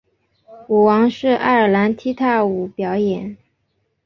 舞王是爱尔兰踢踏舞表演。